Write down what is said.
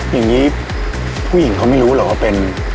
อย่างนี้ผู้หญิงเขาไม่รู้เหรอว่าเป็น